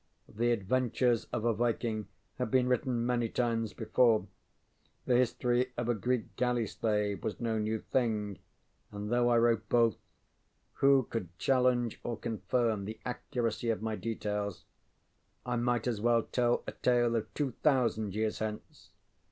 The adventures of a Viking had been written many times before; the history of a Greek galley slave was no new thing, and though I wrote both, who could challenge or confirm the accuracy of my details? I might as well tell a tale of two thousand years hence.